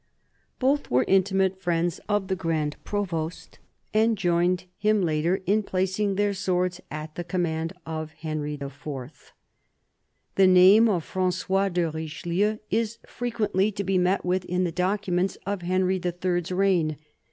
Both were intimate friends of the Grand Provost, and joined him later in placing their swords at the command of Henry IV. The name of Francois de Richelieu is frequently to be met with in the documents of Henry HI.'s reign.